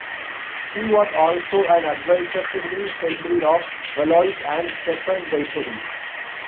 He was also an advisor to Kings Henry of Valois and Stefan Batory.